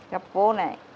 gập vô này